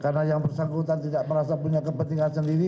karena yang bersangkutan tidak merasa punya kepentingan sendiri